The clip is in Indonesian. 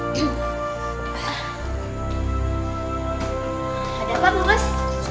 ada tempat mau bos